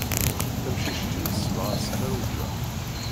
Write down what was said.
Tamcict-iw semmaɣ-as Farruǧa.